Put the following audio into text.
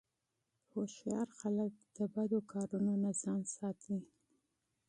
هوښیار خلک د بدو کارونو نه ځان ساتي.